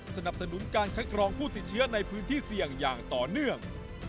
สนับสนุนการคัดกรองผู้ติดเชื้อในพื้นที่เสี่ยงอย่างต่อเนื่อง